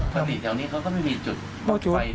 ที่แถวนี้เขาก็ไม่มีจุดไฟ